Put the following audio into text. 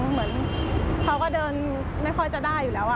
เหมือนเขาก็เดินไม่ค่อยจะได้อยู่แล้ว